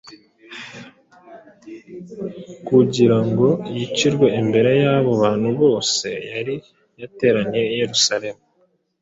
kugira ngo yicirwe imbere y’abo bantu bose bari bateraniye i Yerusalemu.